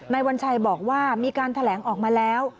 วัญชัยบอกว่ามีการแถลงออกมาแล้ว